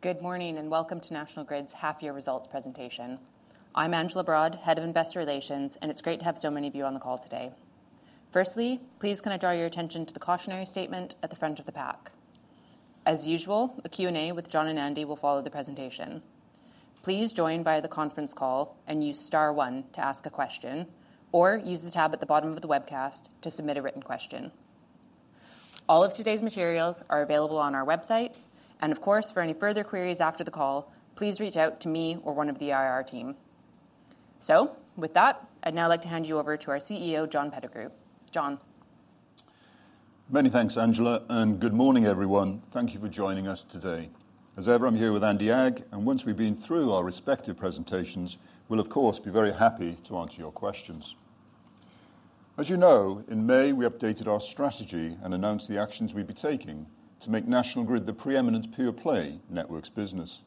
Good morning and welcome to National Grid's half-year results presentation. I'm Angela Broad, Head of Investor Relations, and it's great to have so many of you on the call today. Firstly, please can I draw your attention to the cautionary statement at the front of the pack? As usual, a Q&A with John and Andy will follow the presentation. Please join via the conference call and use Star 1 to ask a question, or use the tab at the bottom of the webcast to submit a written question. All of today's materials are available on our website, and of course, for any further queries after the call, please reach out to me or one of the IR team. So, with that, I'd now like to hand you over to our CEO, John Pettigrew. John. Many thanks, Angela, and good morning, everyone. Thank you for joining us today. As ever, I'm here with Andy Agg, and once we've been through our respective presentations, we'll, of course, be very happy to answer your questions. As you know, in May, we updated our strategy and announced the actions we'd be taking to make National Grid the preeminent pure-play networks business.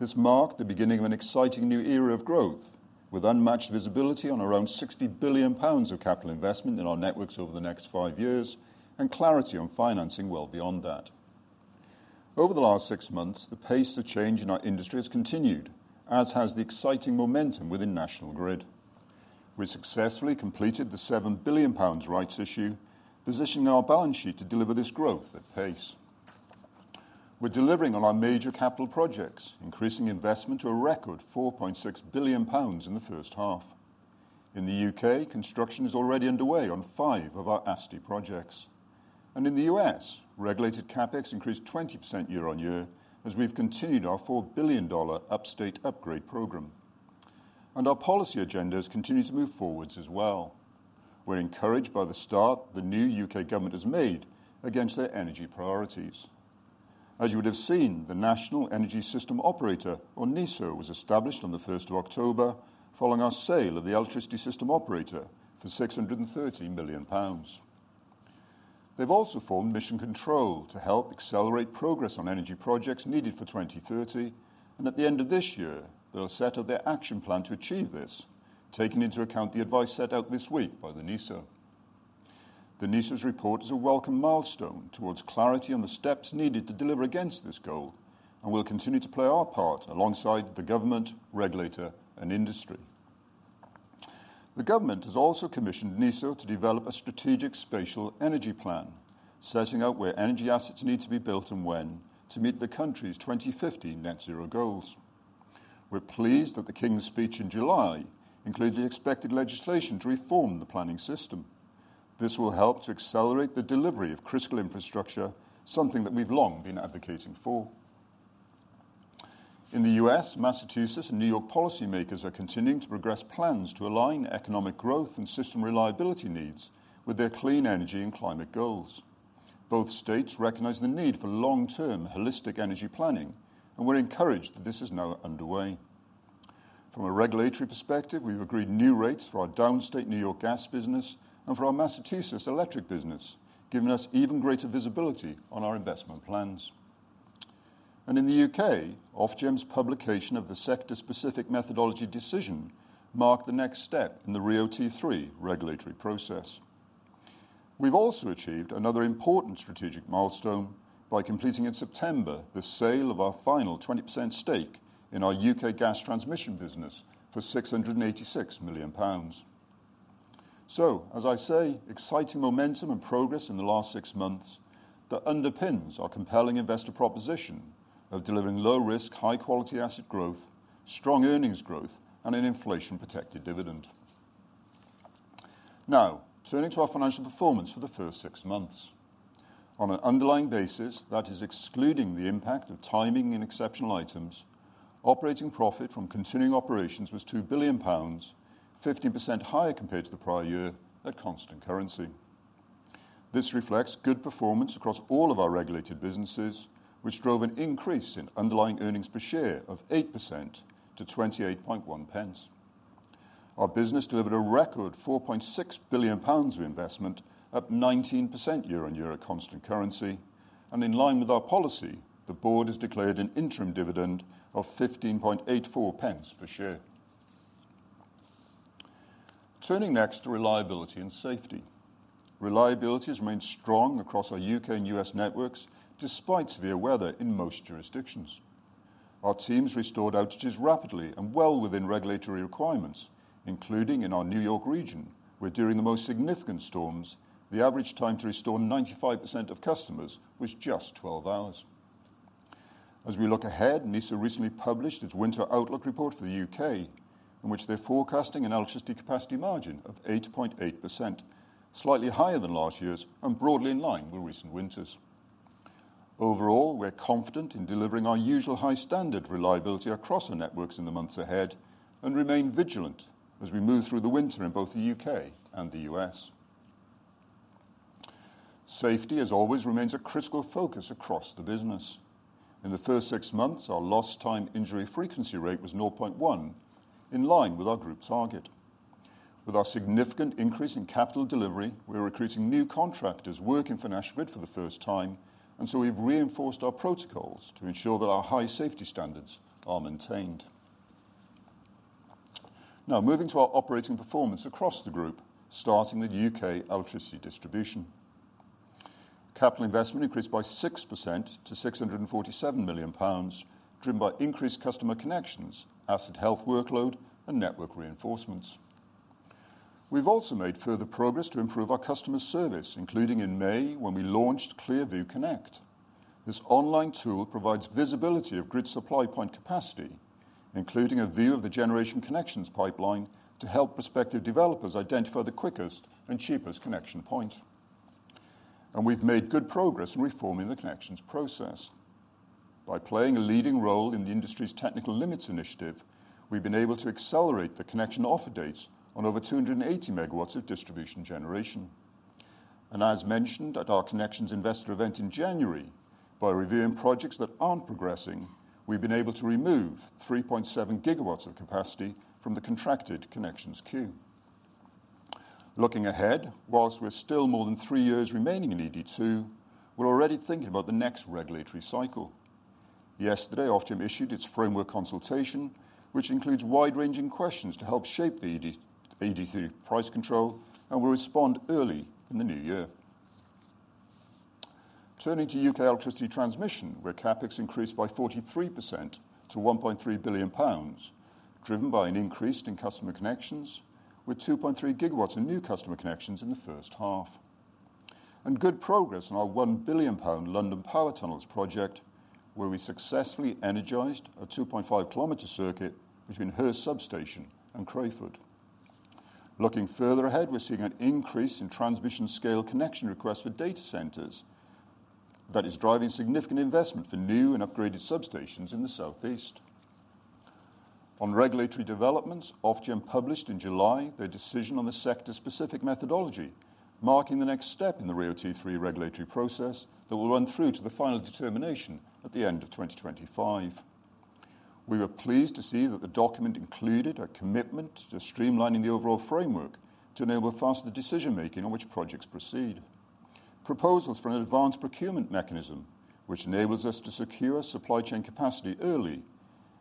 This marked the beginning of an exciting new era of growth, with unmatched visibility on around 60 billion pounds of capital investment in our networks over the next five years and clarity on financing well beyond that. Over the last six months, the pace of change in our industry has continued, as has the exciting momentum within National Grid. We successfully completed the 7 billion pounds rights issue, positioning our balance sheet to deliver this growth at pace. We're delivering on our major capital projects, increasing investment to a record 4.6 billion pounds in the first half. In the U.K., construction is already underway on five of our ASTI projects. And in the U.S., regulated CapEx increased 20% year on year as we've continued our $4 billion Upstate Upgrade program. And our policy agenda has continued to move forward as well. We're encouraged by the start the new U.K. government has made against their energy priorities. As you would have seen, the National Energy System Operator, or NESO, was established on the 1st of October following our sale of the electricity system operator for 630 million pounds. They've also formed Mission Control to help accelerate progress on energy projects needed for 2030, and at the end of this year, they'll set up their action plan to achieve this, taking into account the advice set out this week by the NESO. The NESO's report is a welcome milestone towards clarity on the steps needed to deliver against this goal, and we'll continue to play our part alongside the government, regulator, and industry. The government has also commissioned NESO to develop a strategic Spatial Energy Plan, setting out where energy assets need to be built and when to meet the country's 2050 net zero goals. We're pleased that the King's Speech in July included the expected legislation to reform the planning system. This will help to accelerate the delivery of critical infrastructure, something that we've long been advocating for. In the U.S., Massachusetts and New York policymakers are continuing to progress plans to align economic growth and system reliability needs with their clean energy and climate goals. Both states recognize the need for long-term holistic energy planning, and we're encouraged that this is now underway. From a regulatory perspective, we've agreed new rates for our downstate New York gas business and for our Massachusetts electric business, giving us even greater visibility on our investment plans, and in the UK, Ofgem's publication of the Sector Specific Methodology Decision marked the next step in the RIIO-T3 regulatory process. We've also achieved another important strategic milestone by completing in September the sale of our final 20% stake in our UK gas transmission business for 686 million pounds. So as I say, exciting momentum and progress in the last six months that underpins our compelling investor proposition of delivering low-risk, high-quality asset growth, strong earnings growth, and an inflation-protected dividend. Now, turning to our financial performance for the first six months. On an underlying basis that is excluding the impact of timing and exceptional items, operating profit from continuing operations was £2 billion, 15% higher compared to the prior year at constant currency. This reflects good performance across all of our regulated businesses, which drove an increase in underlying earnings per share of 8% to £28.1. Our business delivered a record £4.6 billion of investment, up 19% year on year at constant currency, and in line with our policy, the board has declared an interim dividend of £15.84 per share. Turning next to reliability and safety. Reliability has remained strong across our U.K. and U.S. networks despite severe weather in most jurisdictions. Our teams restored outages rapidly and well within regulatory requirements, including in our New York region, where during the most significant storms, the average time to restore 95% of customers was just 12 hours. As we look ahead, NESO recently published its winter outlook report for the U.K., in which they're forecasting an electricity capacity margin of 8.8%, slightly higher than last year's and broadly in line with recent winters. Overall, we're confident in delivering our usual high standard reliability across our networks in the months ahead and remain vigilant as we move through the winter in both the U.K. and the U.S. Safety, as always, remains a critical focus across the business. In the first six months, our lost time injury frequency rate was 0.1, in line with our group target. With our significant increase in capital delivery, we're recruiting new contractors working for National Grid for the first time, and so we've reinforced our protocols to ensure that our high safety standards are maintained. Now, moving to our operating performance across the group, starting with U.K. electricity distribution. Capital investment increased by 6% to £647 million, driven by increased customer connections, asset health workload, and network reinforcements. We've also made further progress to improve our customer service, including in May when we launched Clearview Connect. This online tool provides visibility of grid supply point capacity, including a view of the generation connections pipeline to help prospective developers identify the quickest and cheapest connection point, and we've made good progress in reforming the connections process. By playing a leading role in the industry's Technical Limits initiative, we've been able to accelerate the connection offer dates on over 280 megawatts of distribution generation, and as mentioned at our connections investor event in January, by reviewing projects that aren't progressing, we've been able to remove 3.7 gigawatts of capacity from the contracted connections queue. Looking ahead, while we're still more than three years remaining in ED2, we're already thinking about the next regulatory cycle. Yesterday, Ofgem issued its framework consultation, which includes wide-ranging questions to help shape the ED2 price control, and we'll respond early in the new year. Turning to UK electricity transmission, where CapEx increased by 43% to 1.3 billion pounds, driven by an increase in customer connections, with 2.3 gigawatts of new customer connections in the first half, and good progress on our 1 billion pound London Power Tunnels project, where we successfully energized a 2.5 kilometer circuit between Hurst substation and Crayford. Looking further ahead, we're seeing an increase in transmission scale connection requests for data centers that is driving significant investment for new and upgraded substations in the southeast. On regulatory developments, Ofgem published in July their decision on the sector-specific methodology, marking the next step in the RIIO-T3 regulatory process that will run through to the final determination at the end of 2025. We were pleased to see that the document included a commitment to streamlining the overall framework to enable faster decision-making on which projects proceed. Proposals for an advanced procurement mechanism, which enables us to secure supply chain capacity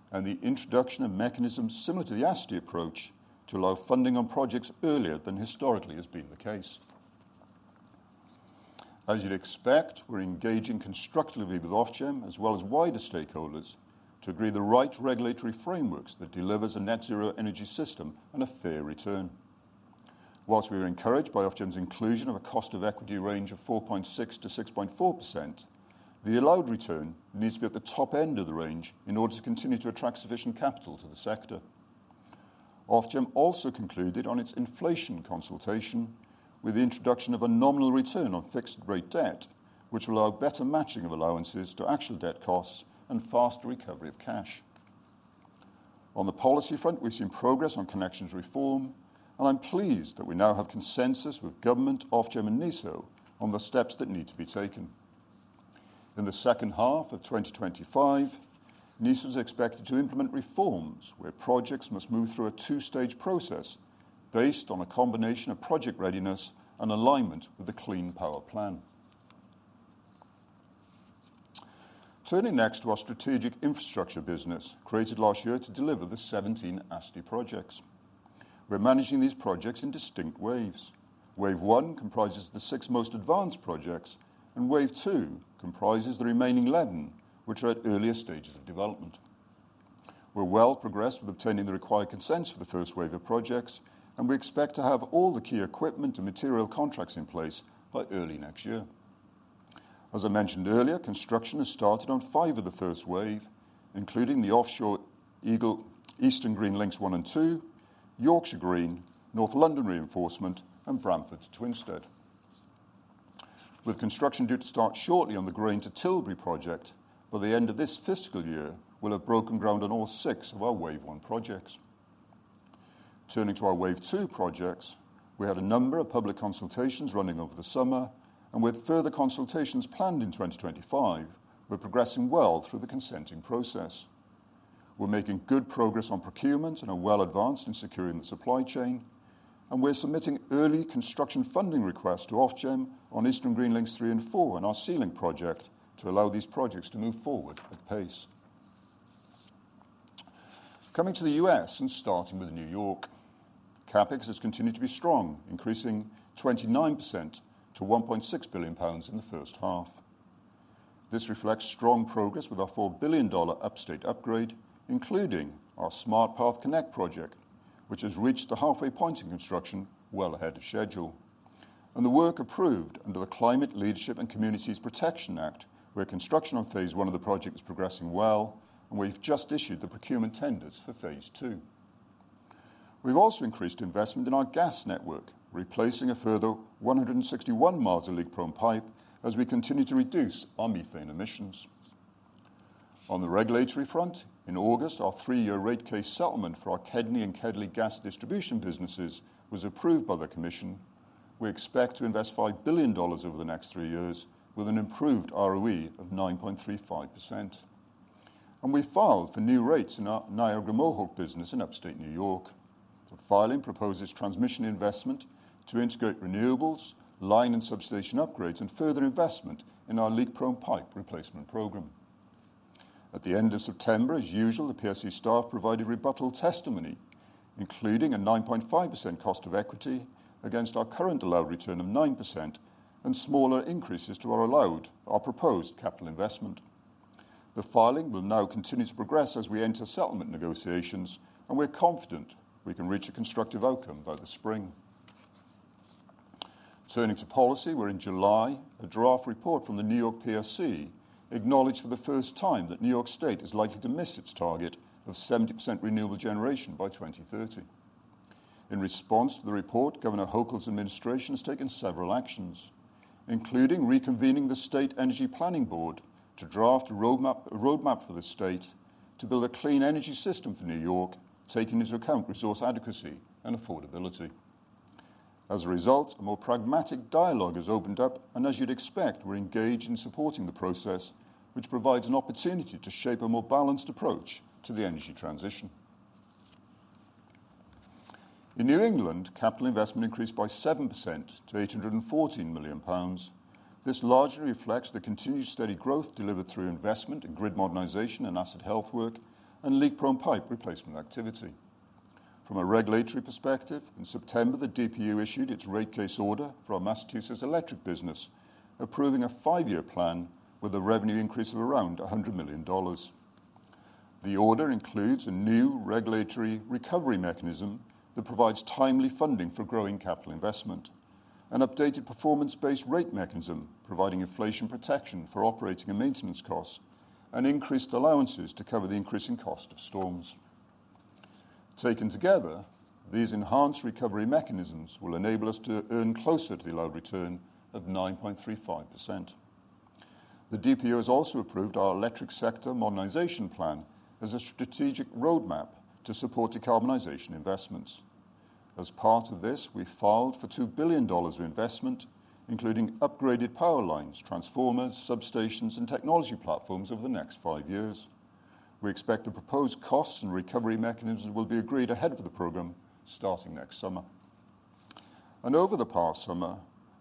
early, and the introduction of mechanisms similar to the ASTI approach to allow funding on projects earlier than historically has been the case. As you'd expect, we're engaging constructively with Ofgem, as well as wider stakeholders, to agree the right regulatory frameworks that deliver a net zero energy system and a fair return. While we are encouraged by Ofgem's inclusion of a cost of equity range of 4.6%-6.4%, the allowed return needs to be at the top end of the range in order to continue to attract sufficient capital to the sector. Ofgem also concluded on its inflation consultation with the introduction of a nominal return on fixed-rate debt, which will allow better matching of allowances to actual debt costs and faster recovery of cash. On the policy front, we've seen progress on connections reform, and I'm pleased that we now have consensus with government, Ofgem, and NESO on the steps that need to be taken. In the second half of 2025, NESO is expected to implement reforms where projects must move through a two-stage process based on a combination of project readiness and alignment with the Clean Power Plan. Turning next to our strategic infrastructure business, created last year to deliver the 17 ASTI projects. We're managing these projects in distinct waves. Wave one comprises the six most advanced projects, and wave two comprises the remaining 11, which are at earlier stages of development. We're well progressed with obtaining the required consents for the first wave of projects, and we expect to have all the key equipment and material contracts in place by early next year. As I mentioned earlier, construction has started on five of the first wave, including the offshore Eastern Green Links one and two, Yorkshire Green, North London Reinforcement, and Bramford to Twinstead. With construction due to start shortly on the Grain to Tilbury project by the end of this fiscal year, we'll have broken ground on all six of our wave one projects. Turning to our wave two projects, we had a number of public consultations running over the summer, and with further consultations planned in 2025, we're progressing well through the consenting process. We're making good progress on procurement and are well advanced in securing the supply chain, and we're submitting early construction funding requests to Ofgem on Eastern Green Links three and four and our Sea Link project to allow these projects to move forward at pace. Coming to the U.S. and starting with New York, CapEx has continued to be strong, increasing 29% to 1.6 billion pounds in the first half. This reflects strong progress with our $4 billion Upstate Upgrade, including our Smart Path Connect project, which has reached the halfway point in construction well ahead of schedule. The work approved under the Climate Leadership and Community Protection Act, where construction on phase one of the project is progressing well, and we've just issued the procurement tenders for phase two. We've also increased investment in our gas network, replacing a further 161 miles of leak-prone pipe as we continue to reduce our methane emissions. On the regulatory front, in August, our three-year rate case settlement for our KEDNY and KEDLI gas distribution businesses was approved by the commission. We expect to invest $5 billion over the next three years with an improved ROE of 9.35%. We filed for new rates in our Niagara Mohawk business in Upstate New York. The filing proposes transmission investment to integrate renewables, line and substation upgrades, and further investment in our leak-prone pipe replacement program. At the end of September, as usual, the PSC staff provided rebuttal testimony, including a 9.5% cost of equity against our current allowed return of 9% and smaller increases to our allowed, our proposed capital investment. The filing will now continue to progress as we enter settlement negotiations, and we're confident we can reach a constructive outcome by the spring. Turning to policy, we're in July, a draft report from the New York PSC acknowledged for the first time that New York State is likely to miss its target of 70% renewable generation by 2030. In response to the report, Governor Hochul's administration has taken several actions, including reconvening the State Energy Planning Board to draft a roadmap for the state to build a clean energy system for New York, taking into account resource adequacy and affordability. As a result, a more pragmatic dialogue has opened up, and as you'd expect, we're engaged in supporting the process, which provides an opportunity to shape a more balanced approach to the energy transition. In New England, capital investment increased by 7% to £814 million. This largely reflects the continued steady growth delivered through investment in grid modernization and asset health work and leak-prone pipe replacement activity. From a regulatory perspective, in September, the DPU issued its rate case order for our Massachusetts electric business, approving a five-year plan with a revenue increase of around $100 million. The order includes a new regulatory recovery mechanism that provides timely funding for growing capital investment, an updated performance-based rate mechanism providing inflation protection for operating and maintenance costs, and increased allowances to cover the increasing cost of storms. Taken together, these enhanced recovery mechanisms will enable us to earn closer to the allowed return of 9.35%. The DPU has also approved our Electric Sector Modernization Plan as a strategic roadmap to support decarbonization investments. As part of this, we filed for $2 billion of investment, including upgraded power lines, transformers, substations, and technology platforms over the next five years. We expect the proposed costs and recovery mechanisms will be agreed ahead of the program starting next summer, and over the past summer,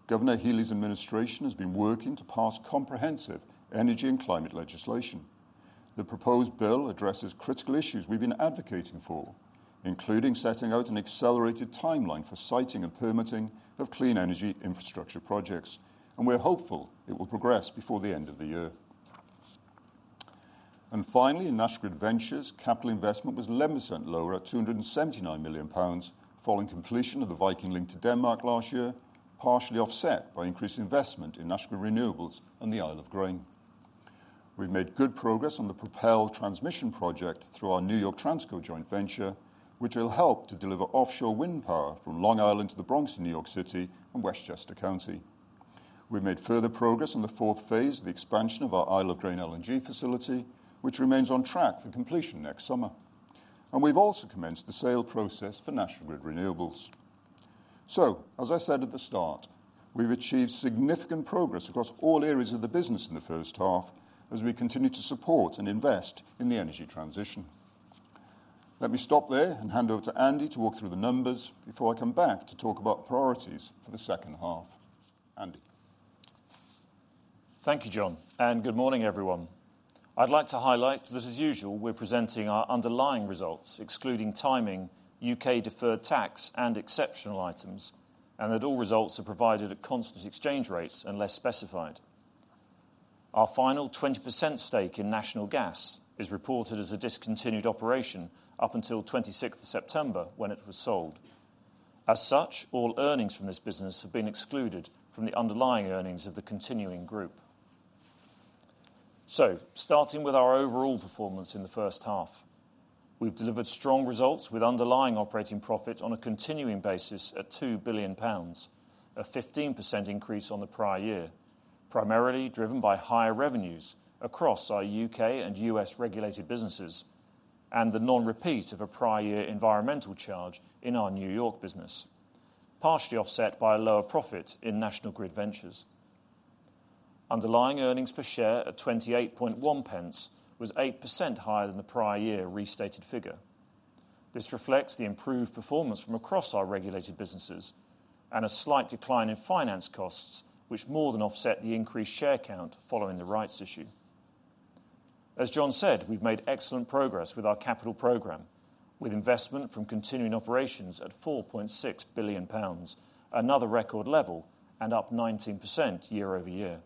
Governor Healey's administration has been working to pass comprehensive energy and climate legislation. The proposed bill addresses critical issues we've been advocating for, including setting out an accelerated timeline for siting and permitting of clean energy infrastructure projects, and we're hopeful it will progress before the end of the year. Finally, in National Grid Ventures, capital investment was 11% lower at £279 million, following completion of the Viking Link to Denmark last year, partially offset by increased investment in National Grid Renewables and the Isle of Grain. We've made good progress on the Propel NY Energy project through our New York Transco joint venture, which will help to deliver offshore wind power from Long Island to the Bronx in New York City and Westchester County. We've made further progress on the fourth phase of the expansion of our Isle of Grain LNG facility, which remains on track for completion next summer. And we've also commenced the sale process for National Grid Renewables. As I said at the start, we've achieved significant progress across all areas of the business in the first half as we continue to support and invest in the energy transition. Let me stop there and hand over to Andy to walk through the numbers before I come back to talk about priorities for the second half. Andy. Thank you, John, and good morning, everyone. I'd like to highlight that, as usual, we're presenting our underlying results, excluding timing, U.K.-deferred tax, and exceptional items, and that all results are provided at constant exchange rates unless specified. Our final 20% stake in National Gas is reported as a discontinued operation up until 26 September when it was sold. As such, all earnings from this business have been excluded from the underlying earnings of the continuing group. Starting with our overall performance in the first half, we've delivered strong results with underlying operating profit on a continuing basis at 2 billion pounds, a 15% increase on the prior year, primarily driven by higher revenues across our U.K. and U.S.-regulated businesses and the non-repeat of a prior year environmental charge in our New York business, partially offset by a lower profit in National Grid Ventures. Underlying earnings per share at 28.1 pence was 8% higher than the prior year restated figure. This reflects the improved performance from across our regulated businesses and a slight decline in finance costs, which more than offset the increased share count following the rights issue. As John said, we've made excellent progress with our capital program, with investment from continuing operations at 4.6 billion pounds, another record level, and up 19% year over year.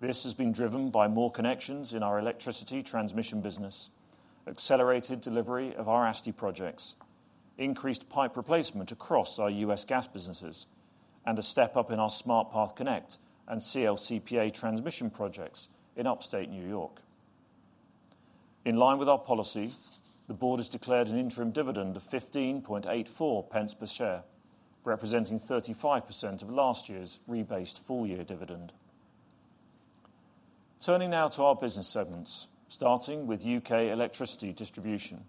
This has been driven by more connections in our electricity transmission business, accelerated delivery of our ASTI projects, increased pipe replacement across our U.S. gas businesses, and a step up in our Smart Path Connect and CLCPA transmission projects in Upstate New York. In line with our policy, the board has declared an interim dividend of 0.1584 per share, representing 35% of last year's rebased full-year dividend. Turning now to our business segments, starting with U.K. electricity distribution.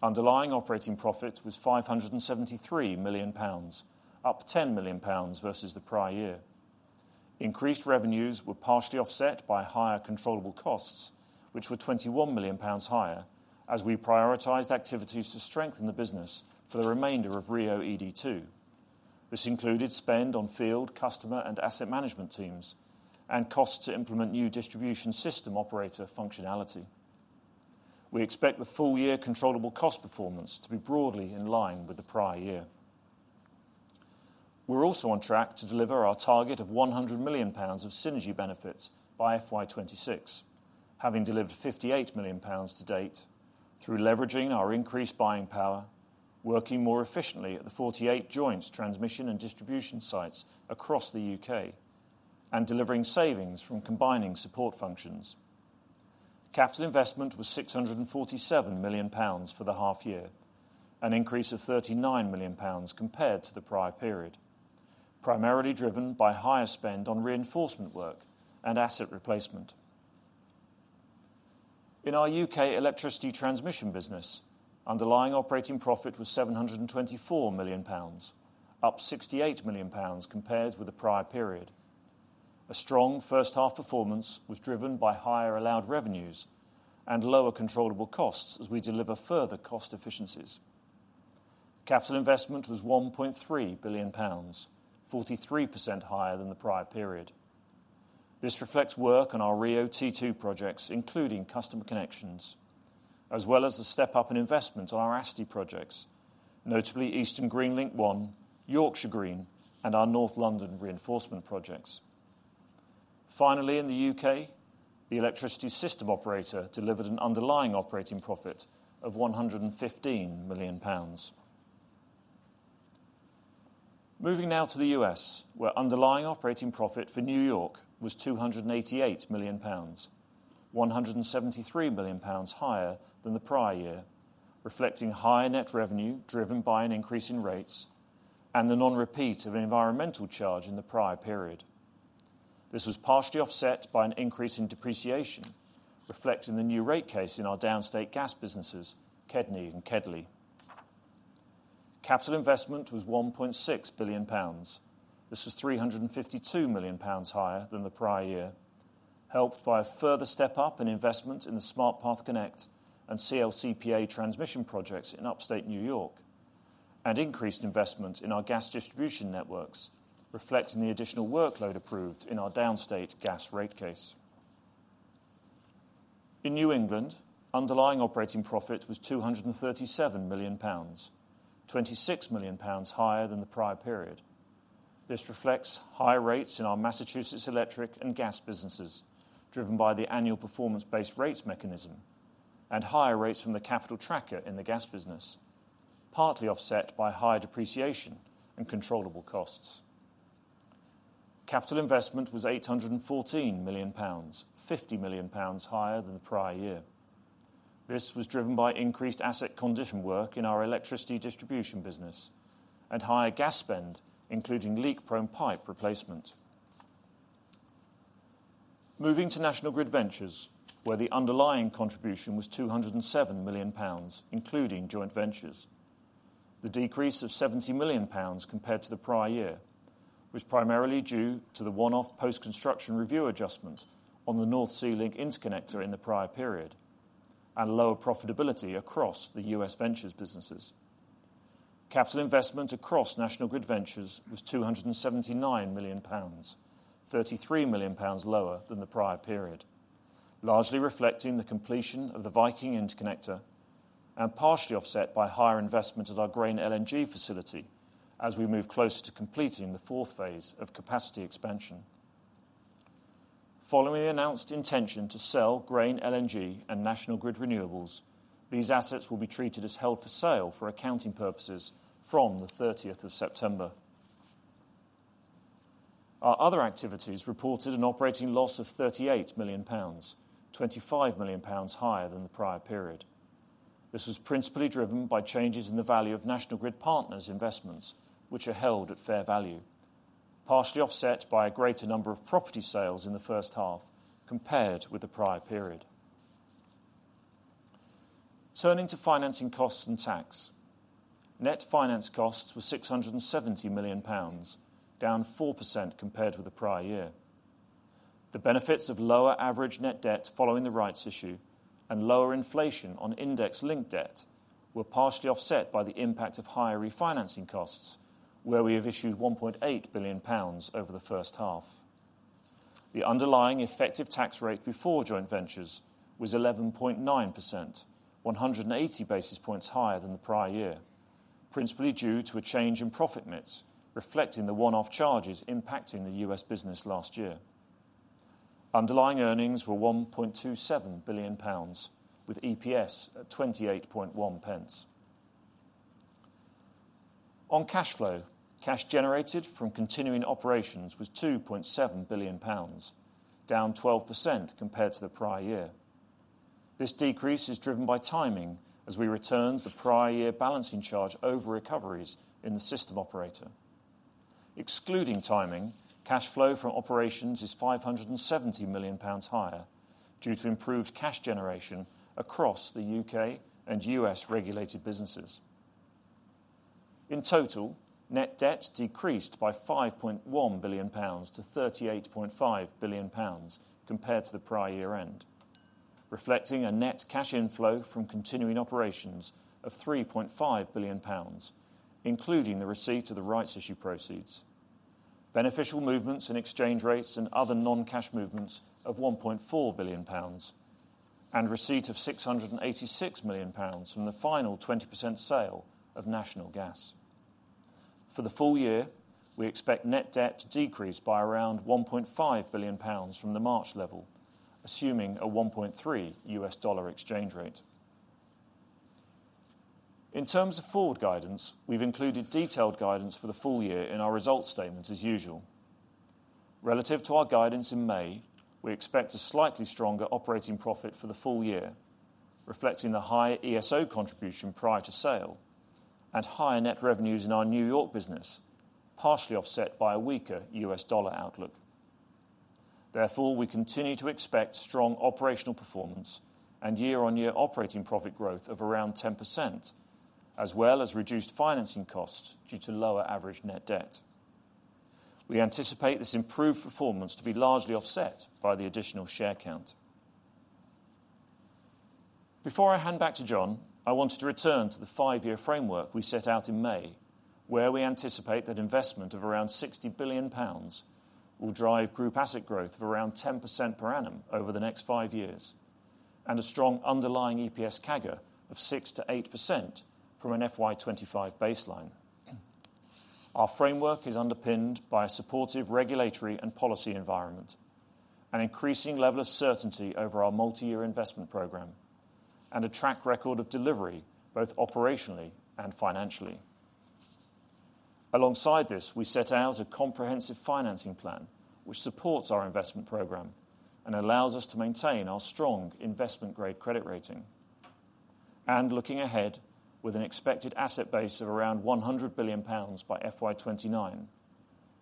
Underlying operating profit was 573 million pounds, up 10 million pounds versus the prior year. Increased revenues were partially offset by higher controllable costs, which were 21 million pounds higher, as we prioritized activities to strengthen the business for the remainder of RIIO-ED2. This included spend on field, customer, and asset management teams and costs to implement new distribution system operator functionality. We expect the full-year controllable cost performance to be broadly in line with the prior year. We're also on track to deliver our target of 100 million pounds of synergy benefits by FY26, having delivered 58 million pounds to date through leveraging our increased buying power, working more efficiently at the 48 joint transmission and distribution sites across the UK, and delivering savings from combining support functions. Capital investment was 647 million pounds for the half year, an increase of 39 million pounds compared to the prior period, primarily driven by higher spend on reinforcement work and asset replacement. In our UK electricity transmission business, underlying operating profit was 724 million pounds, up 68 million pounds compared with the prior period. A strong first half performance was driven by higher allowed revenues and lower controllable costs as we deliver further cost efficiencies. Capital investment was 1.3 billion pounds, 43% higher than the prior period. This reflects work on our RIIO-T2 projects, including customer connections, as well as the step up in investment on our ASTI projects, notably Eastern Green Link 1, Yorkshire Green, and our North London Reinforcement projects. Finally, in the UK, the electricity system operator delivered an underlying operating profit of £115 million. Moving now to the US, where underlying operating profit for New York was £288 million, £173 million higher than the prior year, reflecting higher net revenue driven by an increase in rates and the non-repeat of an environmental charge in the prior period. This was partially offset by an increase in depreciation, reflecting the new rate case in our downstate gas businesses, KEDNY and KEDLI. Capital investment was £1.6 billion. This was 352 million pounds higher than the prior year, helped by a further step up in investment in the Smart Path Connect and CLCPA transmission projects in upstate New York, and increased investment in our gas distribution networks, reflecting the additional workload approved in our downstate gas rate case. In New England, underlying operating profit was 237 million pounds, 26 million pounds higher than the prior period. This reflects high rates in our Massachusetts electric and gas businesses, driven by the annual performance-based rates mechanism, and higher rates from the capital tracker in the gas business, partly offset by higher depreciation and controllable costs. Capital investment was 814 million pounds, 50 million pounds higher than the prior year. This was driven by increased asset condition work in our electricity distribution business and higher gas spend, including leak-prone pipe replacement. Moving to National Grid Ventures, where the underlying contribution was 207 million pounds, including joint ventures. The decrease of 70 million pounds compared to the prior year was primarily due to the one-off post-construction review adjustment on the North Sea Link interconnector in the prior period and lower profitability across the U.S. Ventures businesses. Capital investment across National Grid Ventures was 279 million pounds, 33 million pounds lower than the prior period, largely reflecting the completion of the Viking Link and partially offset by higher investment at our Grain LNG facility as we move closer to completing the fourth phase of capacity expansion. Following the announced intention to sell Grain LNG and National Grid Renewables, these assets will be treated as held for sale for accounting purposes from the 30th of September. Our other activities reported an operating loss of 38 million pounds, 25 million pounds higher than the prior period. This was principally driven by changes in the value of National Grid Partners investments, which are held at fair value, partially offset by a greater number of property sales in the first half compared with the prior period. Turning to financing costs and tax, net finance costs were £670 million, down 4% compared with the prior year. The benefits of lower average net debt following the rights issue and lower inflation on index linked debt were partially offset by the impact of higher refinancing costs, where we have issued £1.8 billion over the first half. The underlying effective tax rate before joint ventures was 11.9%, 180 basis points higher than the prior year, principally due to a change in profit mix, reflecting the one-off charges impacting the US business last year. Underlying earnings were £1.27 billion, with EPS at £28.1. On cash flow, cash generated from continuing operations was £2.7 billion, down 12% compared to the prior year. This decrease is driven by timing as we returned the prior year balancing charge over recoveries in the system operator. Excluding timing, cash flow from operations is £570 million higher due to improved cash generation across the U.K. and U.S.-regulated businesses. In total, net debt decreased by £5.1 billion to £38.5 billion compared to the prior year end, reflecting a net cash inflow from continuing operations of £3.5 billion, including the receipt of the rights issue proceeds, beneficial movements and exchange rates, and other non-cash movements of £1.4 billion, and receipt of £686 million from the final 20% sale of national gas. For the full year, we expect net debt to decrease by around £1.5 billion from the March level, assuming a 1.3 U.S. dollar exchange rate. In terms of forward guidance, we've included detailed guidance for the full year in our results statement, as usual. Relative to our guidance in May, we expect a slightly stronger operating profit for the full year, reflecting the higher ESO contribution prior to sale and higher net revenues in our New York business, partially offset by a weaker U.S. dollar outlook. Therefore, we continue to expect strong operational performance and year-on-year operating profit growth of around 10%, as well as reduced financing costs due to lower average net debt. We anticipate this improved performance to be largely offset by the additional share count. Before I hand back to John, I wanted to return to the five-year framework we set out in May, where we anticipate that investment of around 60 billion pounds will drive group asset growth of around 10% per annum over the next five years and a strong underlying EPS CAGR of 6-8% from an FY25 baseline. Our framework is underpinned by a supportive regulatory and policy environment, an increasing level of certainty over our multi-year investment program, and a track record of delivery both operationally and financially. Alongside this, we set out a comprehensive financing plan which supports our investment program and allows us to maintain our strong investment-grade credit rating, and looking ahead with an expected asset base of around 100 billion pounds by FY29.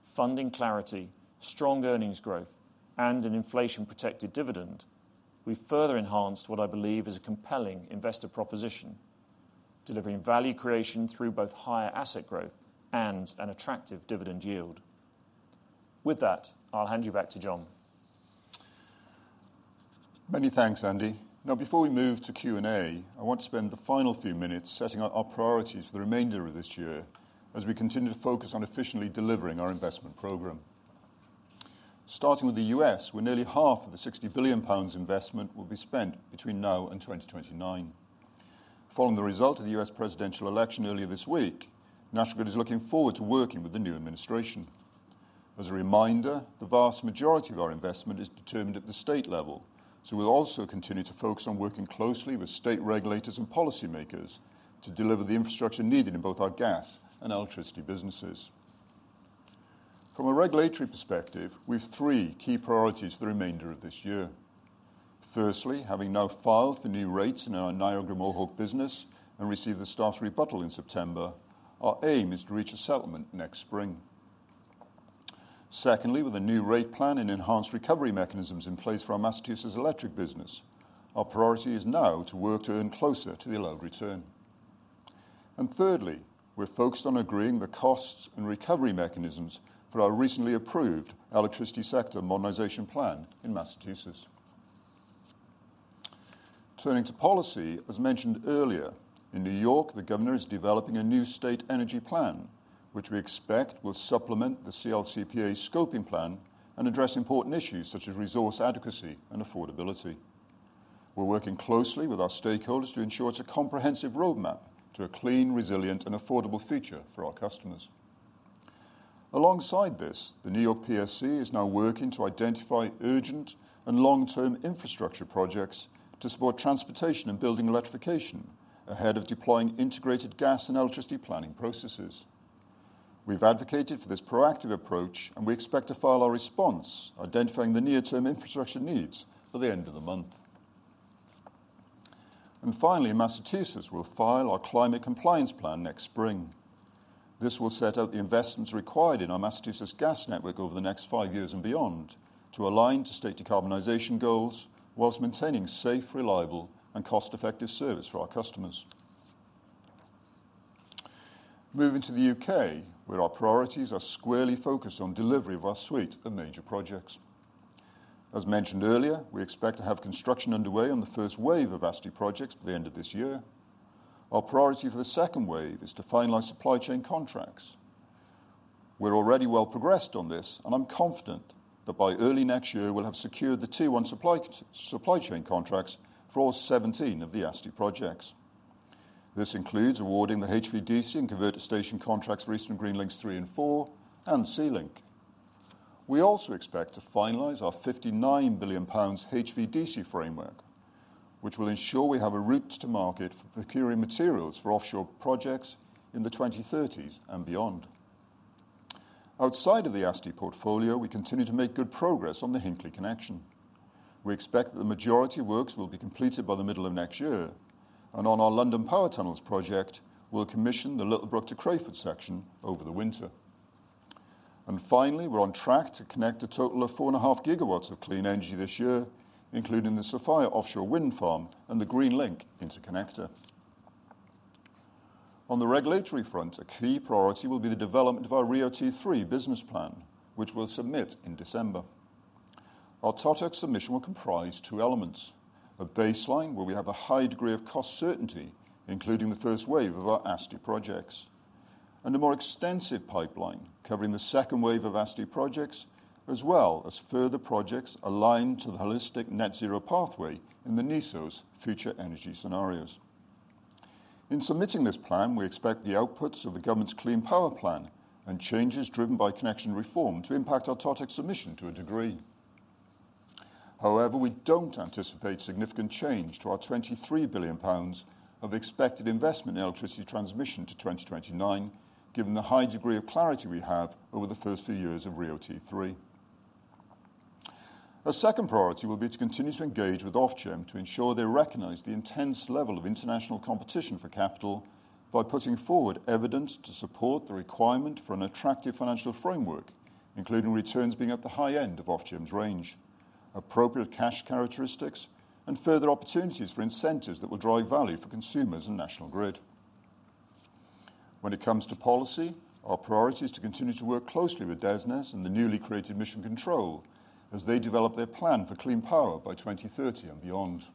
Funding clarity, strong earnings growth, and an inflation-protected dividend, we've further enhanced what I believe is a compelling investor proposition, delivering value creation through both higher asset growth and an attractive dividend yield. With that, I'll hand you back to John. Many thanks, Andy. Now, before we move to Q&A, I want to spend the final few minutes setting up our priorities for the remainder of this year as we continue to focus on efficiently delivering our investment program. Starting with the U.S., where nearly half of the GBP 60 billion investment will be spent between now and 2029. Following the result of the U.S. presidential election earlier this week, National Grid is looking forward to working with the new administration. As a reminder, the vast majority of our investment is determined at the state level, so we'll also continue to focus on working closely with state regulators and policymakers to deliver the infrastructure needed in both our gas and electricity businesses. From a regulatory perspective, we have three key priorities for the remainder of this year. Firstly, having now filed for new rates in our Niagara Mohawk business and received the staff's rebuttal in September, our aim is to reach a settlement next spring. Secondly, with a new rate plan and enhanced recovery mechanisms in place for our Massachusetts electric business, our priority is now to work to earn closer to the allowed return. And thirdly, we're focused on agreeing the costs and recovery mechanisms for our recently approved electricity sector modernization plan in Massachusetts. Turning to policy, as mentioned earlier, in New York, the governor is developing a new state energy plan, which we expect will supplement the CLCPA scoping plan and address important issues such as resource adequacy and affordability. We're working closely with our stakeholders to ensure it's a comprehensive roadmap to a clean, resilient, and affordable future for our customers. Alongside this, the New York PSC is now working to identify urgent and long-term infrastructure projects to support transportation and building electrification ahead of deploying integrated gas and electricity planning processes. We've advocated for this proactive approach, and we expect to file our response, identifying the near-term infrastructure needs by the end of the month. And finally, Massachusetts will file our climate compliance plan next spring. This will set out the investments required in our Massachusetts gas network over the next five years and beyond to align to state decarbonization goals while maintaining safe, reliable, and cost-effective service for our customers. Moving to the UK, where our priorities are squarely focused on delivery of our suite of major projects. As mentioned earlier, we expect to have construction underway on the first wave of ASTI projects by the end of this year. Our priority for the second wave is to finalize supply chain contracts. We're already well progressed on this, and I'm confident that by early next year we'll have secured the T1 supply chain contracts for all 17 of the ASTI projects. This includes awarding the HVDC and converter station contracts for Eastern Green Link three and four and Sea Link. We also expect to finalize our 59 billion HVDC framework, which will ensure we have a route to market for procurement materials for offshore projects in the 2030s and beyond. Outside of the ASTI portfolio, we continue to make good progress on the Hinkley Connection. We expect that the majority of works will be completed by the middle of next year, and on our London Power Tunnels project, we'll commission the Littlebrook to Crayford section over the winter. And finally, we're on track to connect a total of 4.5 gigawatts of clean energy this year, including the Sofia Offshore Wind Farm and the Greenlink Interconnector. On the regulatory front, a key priority will be the development of our RIIO-T3 business plan, which we'll submit in December. Our TOTEX submission will comprise two elements: a baseline where we have a high degree of cost certainty, including the first wave of our ASTI projects, and a more extensive pipeline covering the second wave of ASTI projects, as well as further projects aligned to the holistic net zero pathway in the NESO's Future Energy Scenarios. In submitting this plan, we expect the outputs of the government's Clean Power Plan and changes driven by connections reform to impact our TOTEX submission to a degree. However, we don't anticipate significant change to our 23 billion pounds of expected investment in electricity transmission to 2029, given the high degree of clarity we have over the first few years of RIIO-T3. A second priority will be to continue to engage with Ofgem to ensure they recognize the intense level of international competition for capital by putting forward evidence to support the requirement for an attractive financial framework, including returns being at the high end of Ofgem's range, appropriate cash characteristics, and further opportunities for incentives that will drive value for consumers and National Grid. When it comes to policy, our priority is to continue to work closely with DESNZ and the newly created Mission Control as they develop their plan for clean power by 2030 and beyond.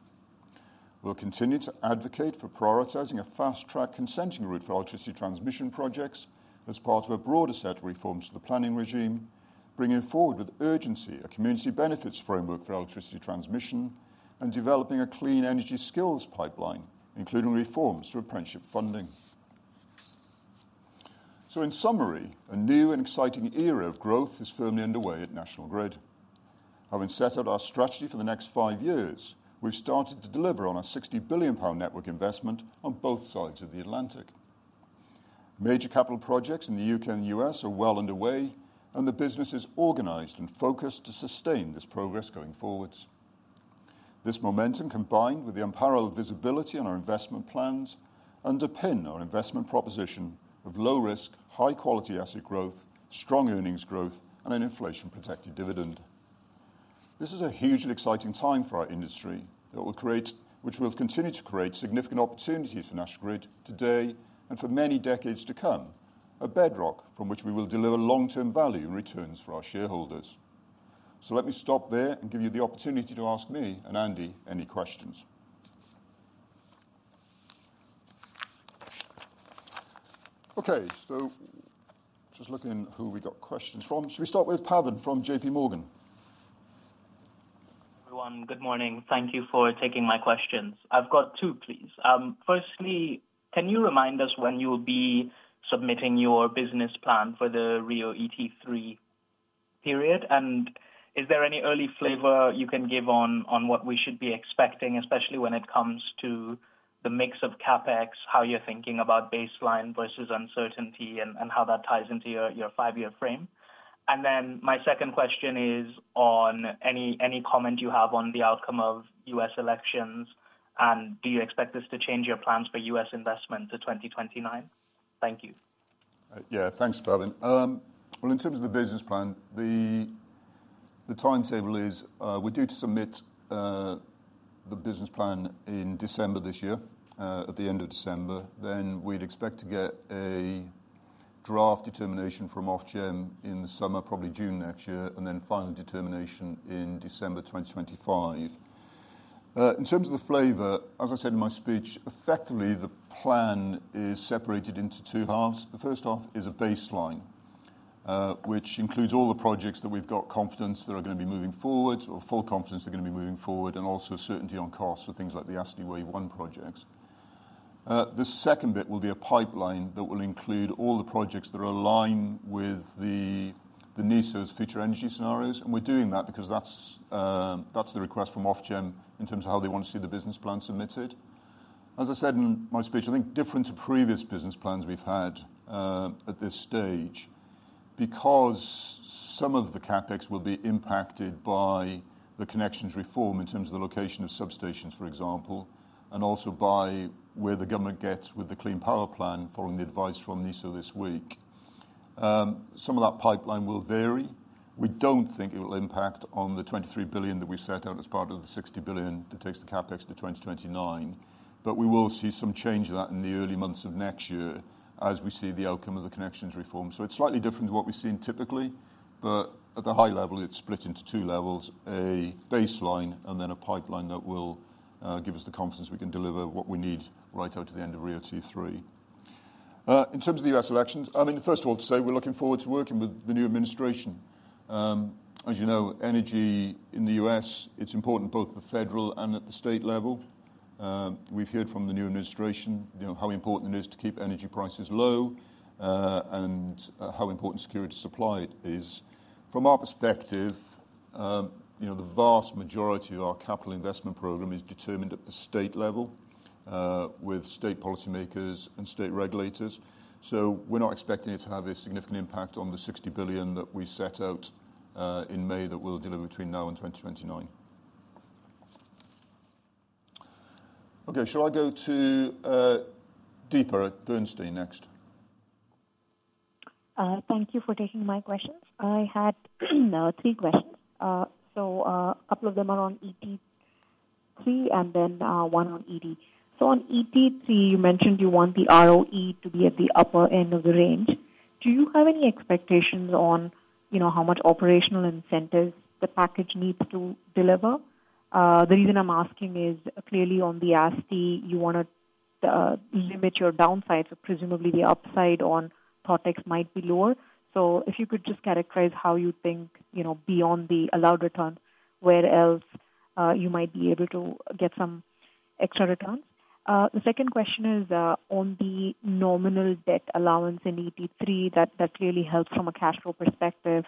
We'll continue to advocate for prioritizing a fast-track consenting route for electricity transmission projects as part of a broader set of reforms to the planning regime, bringing forward with urgency a community benefits framework for electricity transmission and developing a clean energy skills pipeline, including reforms to apprenticeship funding. So, in summary, a new and exciting era of growth is firmly underway at National Grid. Having set out our strategy for the next five years, we've started to deliver on our 60 billion pound network investment on both sides of the Atlantic. Major capital projects in the U.K. and the U.S. are well underway, and the business is organized and focused to sustain this progress going forwards. This momentum, combined with the unparalleled visibility on our investment plans, underpins our investment proposition of low-risk, high-quality asset growth, strong earnings growth, and an inflation-protected dividend. This is a hugely exciting time for our industry which will continue to create significant opportunities for National Grid today and for many decades to come, a bedrock from which we will deliver long-term value and returns for our shareholders. So, let me stop there and give you the opportunity to ask me and Andy any questions. Okay, so just looking who we got questions from. Should we start with Pavan from JPMorgan? Everyone, good morning. Thank you for taking my questions. I've got two, please. Firstly, can you remind us when you'll be submitting your business plan for the RIIO-T3 period? And is there any early flavor you can give on what we should be expecting, especially when it comes to the mix of CapEx, how you're thinking about baseline versus uncertainty, and how that ties into your five-year frame? And then my second question is on any comment you have on the outcome of US elections, and do you expect this to change your plans for US investment to 2029? Thank you. Yeah, thanks, Pavan. Well, in terms of the business plan, the timetable is we're due to submit the business plan in December this year, at the end of December. Then we'd expect to get a draft determination from Ofgem in the summer, probably June next year, and then final determination in December 2025. In terms of the flavor, as I said in my speech, effectively the plan is separated into two halves. The first half is a baseline, which includes all the projects that we've got confidence that are going to be moving forward, or full confidence they're going to be moving forward, and also certainty on costs for things like the ASTI Wave One projects. The second bit will be a pipeline that will include all the projects that align with the NESO's future energy scenarios. We're doing that because that's the request from Ofgem in terms of how they want to see the business plan submitted. As I said in my speech, I think different to previous business plans we've had at this stage because some of the CapEx will be impacted by the connections reform in terms of the location of substations, for example, and also by where the government gets with the Clean Power Plan following the advice from NESO this week. Some of that pipeline will vary. We don't think it will impact on the 23 billion that we've set out as part of the 60 billion that takes the CapEx to 2029, but we will see some change of that in the early months of next year as we see the outcome of the connections reform. It's slightly different to what we've seen typically, but at the high level, it's split into two levels: a baseline and then a pipeline that will give us the confidence we can deliver what we need right out to the end of RIIO-T3. In terms of the U.S. elections, I mean, first of all, to say we're looking forward to working with the new administration. As you know, energy in the U.S., it's important both at the federal and at the state level. We've heard from the new administration how important it is to keep energy prices low and how important security supply is. From our perspective, the vast majority of our capital investment program is determined at the state level with state policymakers and state regulators. We're not expecting it to have a significant impact on the 60 billion that we set out in May that we'll deliver between now and 2029. Okay, shall I go to Deepa at Bernstein next? Thank you for taking my questions. I had three questions. So, a couple of them are on ET3 and then one on ED. So, on ET3, you mentioned you want the ROE to be at the upper end of the range. Do you have any expectations on how much operational incentives the package needs to deliver? The reason I'm asking is clearly on the ASTI, you want to limit your downside, so presumably the upside on TOTEX might be lower. So, if you could just characterize how you think beyond the allowed return, where else you might be able to get some extra returns. The second question is on the nominal debt allowance in ET3, that clearly helps from a cash flow perspective.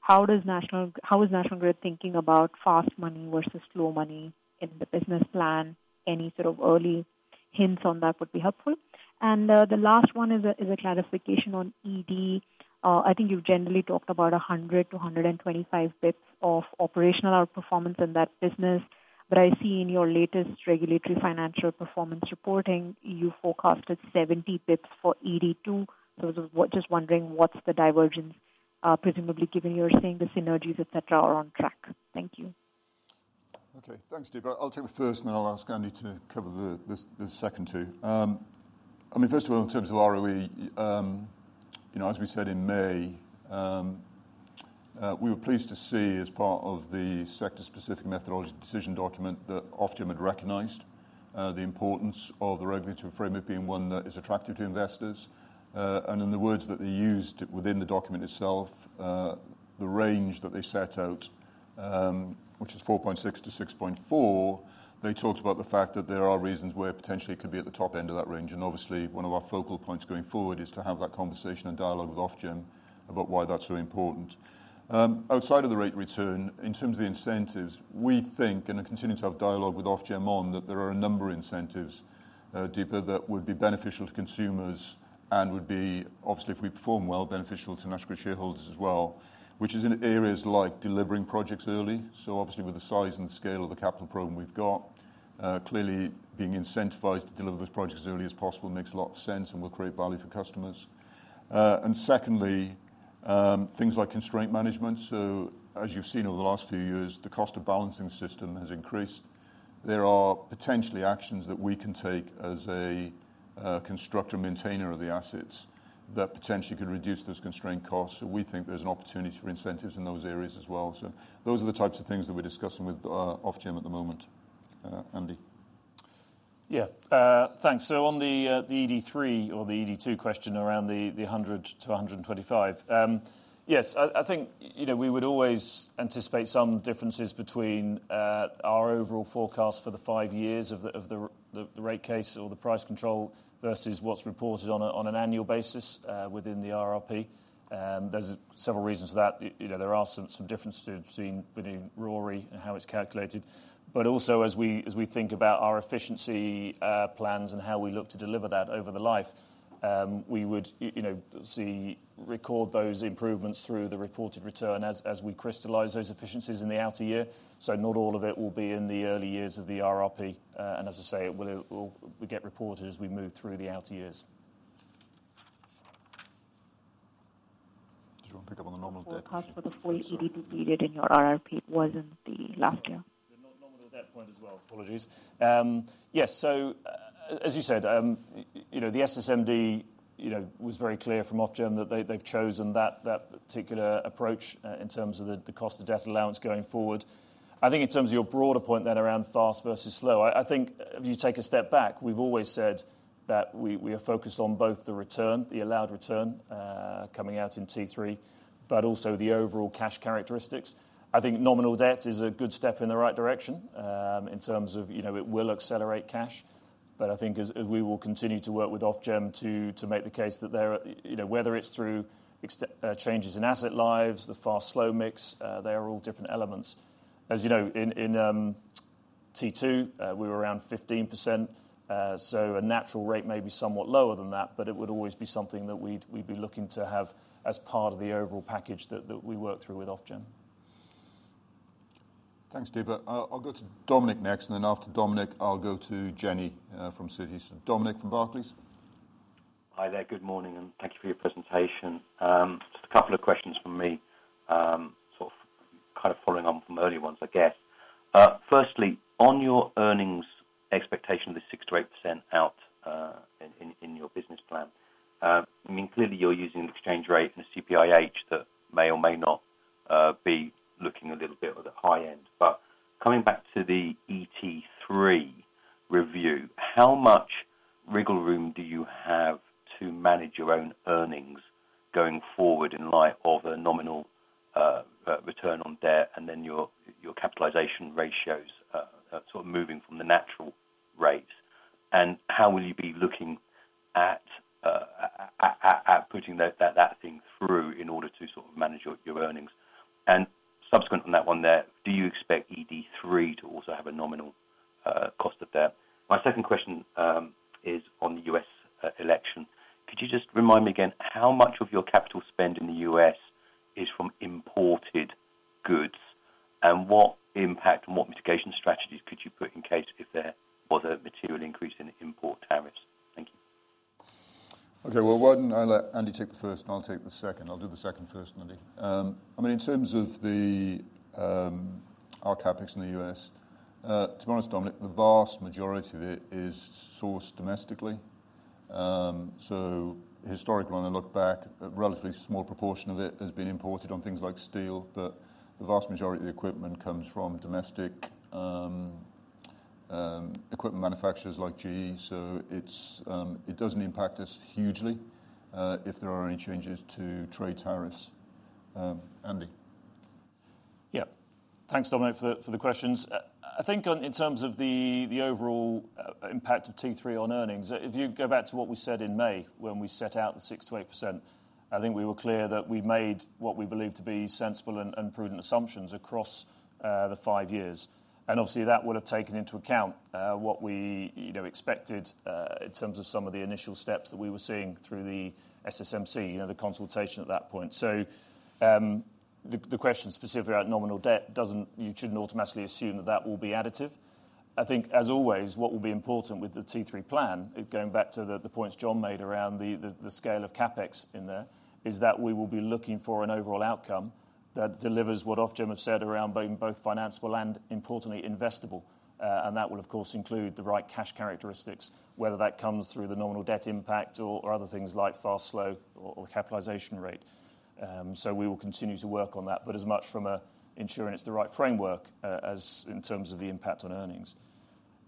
How is National Grid thinking about fast money versus slow money in the business plan? Any sort of early hints on that would be helpful. And the last one is a clarification on ED. I think you've generally talked about 100-125 basis points of operational outperformance in that business, but I see in your latest regulatory financial performance reporting, you forecasted 70 basis points for ED2. So, just wondering what's the divergence, presumably given you're saying the synergies, etc., are on track. Thank you. Okay, thanks, Deepa. I'll take the first, and then I'll ask Andy to cover the second two. I mean, first of all, in terms of ROE, as we said in May, we were pleased to see as part of the Sector Specific Methodology Decision document that Ofgem had recognized the importance of the regulatory framework being one that is attractive to investors. And in the words that they used within the document itself, the range that they set out, which is 4.6%-6.4%, they talked about the fact that there are reasons where potentially it could be at the top end of that range. And obviously, one of our focal points going forward is to have that conversation and dialogue with Ofgem about why that's so important. Outside of the rate return, in terms of the incentives, we think, and are continuing to have dialogue with Ofgem on, that there are a number of incentives, Deepa, that would be beneficial to consumers and would be, obviously, if we perform well, beneficial to National shareholders as well, which is in areas like delivering projects early. So, obviously, with the size and scale of the capital problem we've got, clearly being incentivized to deliver those projects as early as possible makes a lot of sense and will create value for customers. And secondly, things like constraint management. So, as you've seen over the last few years, the cost of balancing the system has increased. There are potentially actions that we can take as a constructor maintainer of the assets that potentially could reduce those constraint costs. So, we think there's an opportunity for incentives in those areas as well. So, those are the types of things that we're discussing with Ofgem at the moment. Andy. Yeah, thanks. So, on the ED3 or the ED2 question around the 100-125, yes, I think we would always anticipate some differences between our overall forecast for the five years of the rate case or the price control versus what's reported on an annual basis within the RRP. There's several reasons for that. There are some differences between ROE and how it's calculated. But also, as we think about our efficiency plans and how we look to deliver that over the life, we would see record those improvements through the reported return as we crystallize those efficiencies in the outer year. So, not all of it will be in the early years of the RRP. And as I say, we get reported as we move through the outer years. Did you want to pick The forecast for the full ED2 needed in your RRP wasn't the last year? They're not nominal at that point as well, apologies. Yes, so as you said, the SSMD was very clear from Ofgem that they've chosen that particular approach in terms of the cost of debt allowance going forward. I think in terms of your broader point then around fast versus slow, I think if you take a step back, we've always said that we are focused on both the return, the allowed return coming out in T3, but also the overall cash characteristics. I think nominal debt is a good step in the right direction in terms of it will accelerate cash. But I think as we will continue to work with Ofgem to make the case that they're, whether it's through changes in asset lives, the fast-slow mix, they are all different elements. As you know, in T2, we were around 15%. So, a natural rate may be somewhat lower than that, but it would always be something that we'd be looking to have as part of the overall package that we work through with Ofgem. Thanks, Deepa. I'll go to Dominic next, and then after Dominic, I'll go to Jenny from Citi. So, Dominic from Barclays, please. Hi there, good morning, and thank you for your presentation. Just a couple of questions from me, sort of kind of following on from earlier ones, I guess. Firstly, on your earnings expectation of the 6%-8% out in your business plan, I mean, clearly you're using an exchange rate and a CPIH that may or may not be looking a little bit at the high end. But coming back to the T3 review, how much wriggle room do you have to manage your own earnings going forward in light of a nominal return on debt and then your capitalization ratios sort of moving from the notional rates? And how will you be looking at putting that thing through in order to sort of manage your earnings? And subsequent on that one there, do you expect ED3 to also have a nominal cost of debt? My second question is on the US election. Could you just remind me again how much of your capital spend in the U.S. is from imported goods and what impact and what mitigation strategies could you put in case if there was a material increase in import tariffs? Thank you. Okay, well, why don't I let Andy take the first, and I'll take the second. I'll do the second first, Andy. I mean, in terms of our CapEx in the U.S., to be honest, Dominic, the vast majority of it is sourced domestically. So, historically, when I look back, a relatively small proportion of it has been imported on things like steel, but the vast majority of the equipment comes from domestic equipment manufacturers like GE. So, it doesn't impact us hugely if there are any changes to trade tariffs. Andy. Yeah, thanks, Dominic, for the questions. I think in terms of the overall impact of T3 on earnings, if you go back to what we said in May when we set out the 6%-8%, I think we were clear that we made what we believe to be sensible and prudent assumptions across the five years, and obviously, that would have taken into account what we expected in terms of some of the initial steps that we were seeing through the SSMD, the consultation at that point, so the question specifically about nominal debt, you shouldn't automatically assume that that will be additive. I think, as always, what will be important with the T3 plan, going back to the points John made around the scale of CapEx in there, is that we will be looking for an overall outcome that delivers what Ofgem have said around being both financeable and, importantly, investable. And that will, of course, include the right cash characteristics, whether that comes through the nominal debt impact or other things like fast, slow, or the capitalization rate. So, we will continue to work on that, but as much from an insurance-derived framework as in terms of the impact on earnings.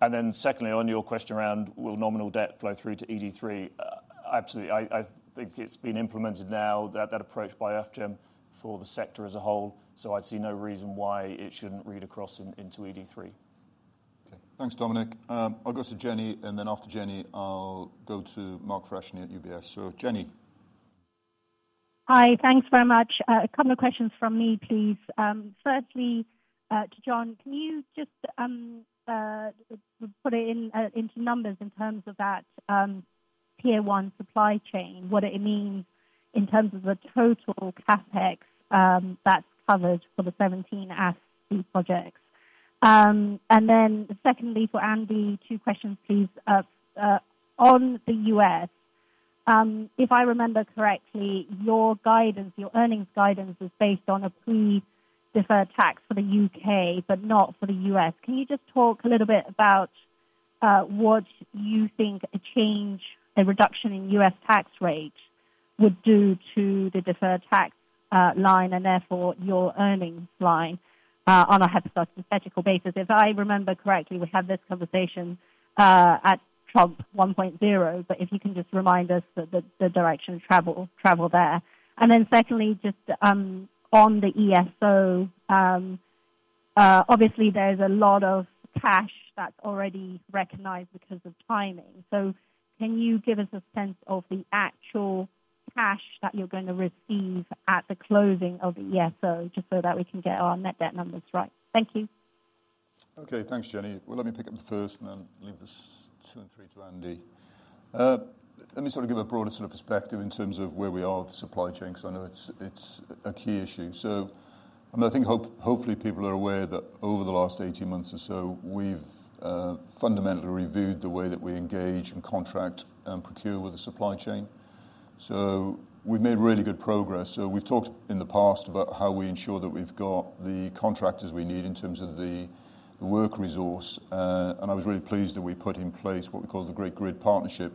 And then secondly, on your question around will nominal debt flow through to ED3? Absolutely. I think it's been implemented now, that approach by Ofgem for the sector as a whole. So, I see no reason why it shouldn't read across into ED3. Okay, thanks, Dominic. I'll go to Jenny, and then after Jenny, I'll go to Mark Freshney at UBS. So, Jenny. Hi, thanks very much. A couple of questions from me, please. Firstly, to John, can you just put it into numbers in terms of that tier one supply chain, what it means in terms of the total CapEx that's covered for the 17 ASTI projects? And then secondly, for Andy, two questions, please. On the U.S., if I remember correctly, your guidance, your earnings guidance is based on a pre-deferred tax for the U.K., but not for the U.S. Can you just talk a little bit about what you think a change, a reduction in U.S. tax rate would do to the deferred tax line and therefore your earnings line on a hypothetical basis? If I remember correctly, we had this conversation at Trump 1.0, but if you can just remind us the direction of travel there. And then secondly, just on the ESO, obviously, there's a lot of cash that's already recognized because of timing. So, can you give us a sense of the actual cash that you're going to receive at the closing of the ESO just so that we can get our net debt numbers right? Thank you. Okay, thanks, Jenny. Well, let me pick up the first and then leave the two and three to Andy. Let me sort of give a broader sort of perspective in terms of where we are with the supply chain, because I know it's a key issue. So, I mean, I think hopefully people are aware that over the last 18 months or so, we've fundamentally reviewed the way that we engage and contract and procure with the supply chain. So, we've made really good progress. So, we've talked in the past about how we ensure that we've got the contractors we need in terms of the work resource. I was really pleased that we put in place what we call the Great Grid Partnership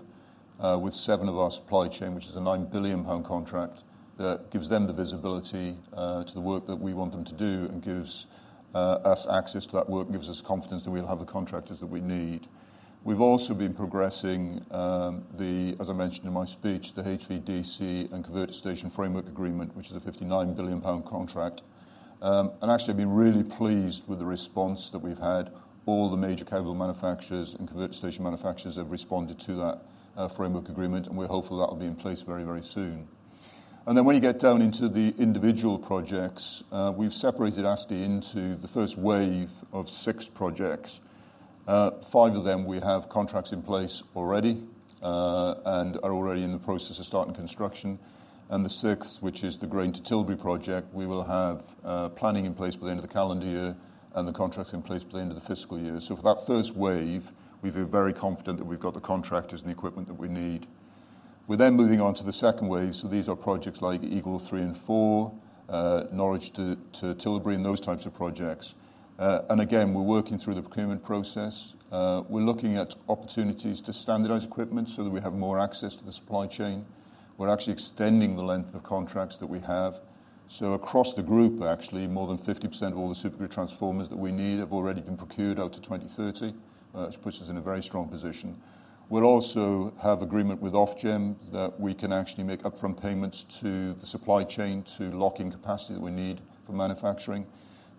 with seven of our supply chain, which is a 9 billion contract that gives them the visibility to the work that we want them to do and gives us access to that work and gives us confidence that we'll have the contractors that we need. We've also been progressing the, as I mentioned in my speech, the HVDC and Converter Station Framework Agreement, which is a 59 billion pound contract. Actually, I've been really pleased with the response that we've had. All the major cable manufacturers and converter station manufacturers have responded to that framework agreement, and we're hopeful that will be in place very, very soon. Then when you get down into the individual projects, we've separated ASTI into the first wave of six projects. Five of them, we have contracts in place already and are already in the process of starting construction. And the sixth, which is the Grain to Tilbury project, we will have planning in place by the end of the calendar year and the contracts in place by the end of the fiscal year. So, for that first wave, we've been very confident that we've got the contractors and the equipment that we need. We're then moving on to the second wave. So, these are projects like Eastern Green Link 3 and 4, Norwich to Tilbury, and those types of projects. And again, we're working through the procurement process. We're looking at opportunities to standardize equipment so that we have more access to the supply chain. We're actually extending the length of contracts that we have. So, across the group, actually, more than 50% of all the Supergrid transformers that we need have already been procured out to 2030, which puts us in a very strong position. We'll also have agreement with Ofgem that we can actually make upfront payments to the supply chain to lock in capacity that we need for manufacturing.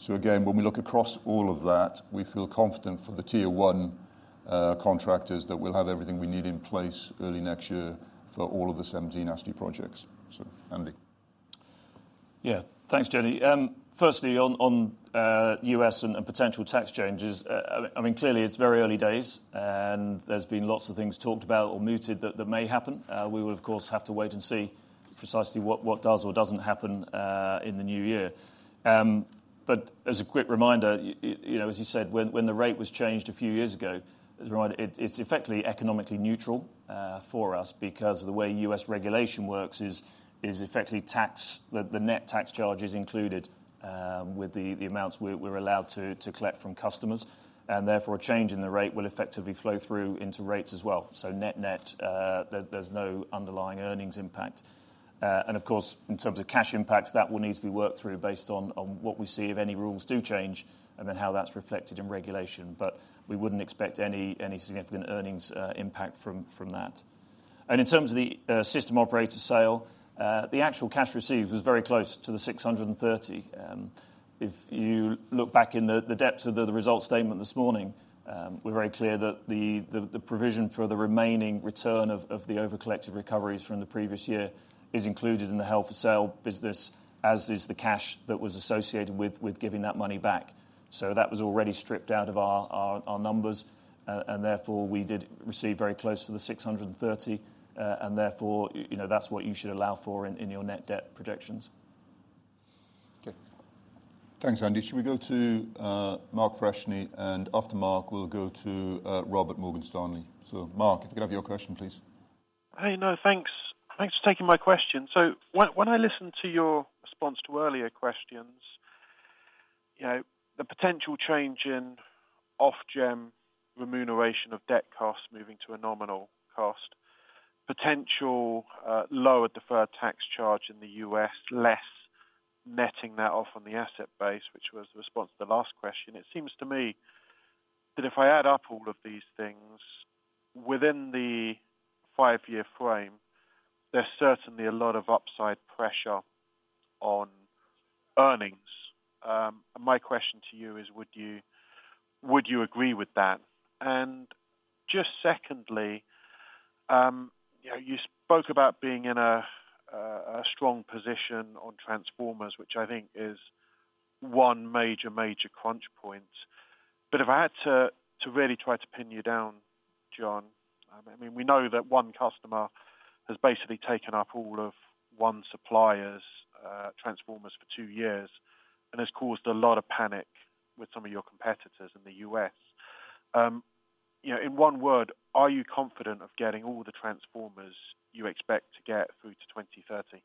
So, again, when we look across all of that, we feel confident for the tier one contractors that we'll have everything we need in place early next year for all of the 17 ASTI projects. So, Andy. Yeah, thanks, Jenny. Firstly, on U.S. and potential tax changes, I mean, clearly it's very early days, and there's been lots of things talked about or mooted that may happen. We will, of course, have to wait and see precisely what does or doesn't happen in the new year. But as a quick reminder, as you said, when the rate was changed a few years ago, it's effectively economically neutral for us because the way U.S. regulation works is effectively tax, the net tax charges included with the amounts we're allowed to collect from customers. And therefore, a change in the rate will effectively flow through into rates as well. So, net-net, there's no underlying earnings impact. And of course, in terms of cash impacts, that will need to be worked through based on what we see if any rules do change and then how that's reflected in regulation. But we wouldn't expect any significant earnings impact from that. And in terms of the system operator sale, the actual cash received was very close to the 630. If you look back in the depths of the results statement this morning, we're very clear that the provision for the remaining return of the over-collected recoveries from the previous year is included in the held for sale business, as is the cash that was associated with giving that money back. So, that was already stripped out of our numbers, and therefore we did receive very close to the 630, and therefore that's what you should allow for in your net debt projections. Okay, thanks, Andy. Should we go to Mark Freshney? And after Mark, we'll go to Robert from Morgan Stanley. So, Mark, if you could have your question, please. Hey, no, thanks. Thanks for taking my question. So, when I listened to your response to earlier questions, the potential change in Ofgem remuneration of debt costs moving to a nominal cost, potential lower deferred tax charge in the US, less netting that off on the asset base, which was the response to the last question, it seems to me that if I add up all of these things within the five-year frame, there's certainly a lot of upside pressure on earnings. And my question to you is, would you agree with that? And just secondly, you spoke about being in a strong position on transformers, which I think is one major, major crunch point. But if I had to really try to pin you down, John, I mean, we know that one customer has basically taken up all of one supplier's transformers for two years and has caused a lot of panic with some of your competitors in the U.S. In one word, are you confident of getting all the transformers you expect to get through to 2030?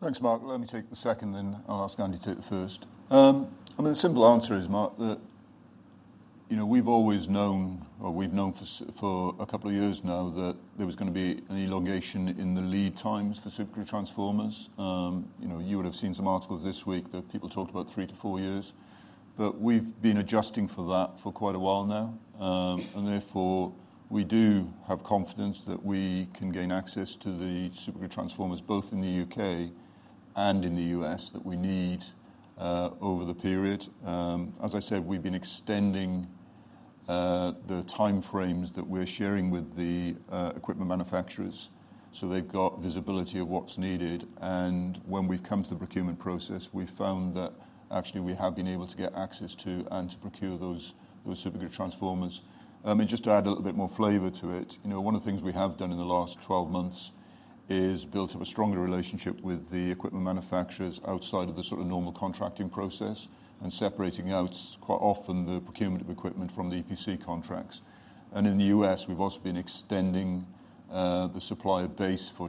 Thanks, Mark. Let me take the second, then I'll ask Andy to take the first. I mean, the simple answer is, Mark, that we've always known, or we've known for a couple of years now, that there was going to be an elongation in the lead times for Supergrid transformers. You would have seen some articles this week that people talked about three to four years. But we've been adjusting for that for quite a while now. And therefore, we do have confidence that we can gain access to the Supergrid transformers, both in the U.K. and in the U.S., that we need over the period. As I said, we've been extending the time frames that we're sharing with the equipment manufacturers. So, they've got visibility of what's needed. And when we've come to the procurement process, we've found that actually we have been able to get access to and to procure those Supergrid transformers. I mean, just to add a little bit more flavour to it, one of the things we have done in the last 12 months is built up a stronger relationship with the equipment manufacturers outside of the sort of normal contracting process and separating out quite often the procurement of equipment from the EPC contracts. And in the U.S., we've also been extending the supplier base for.